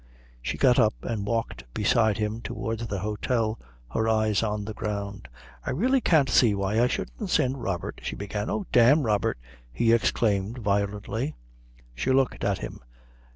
She got up and walked beside him towards the hôtel, her eyes on the ground. "I really can't see why I shouldn't send Robert " she began. "Oh, damn Robert!" he exclaimed violently. She looked at him.